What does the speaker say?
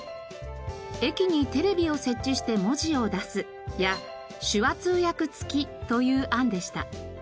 「駅にテレビを設置して文字を出す」や「手話通訳付き」という案でした。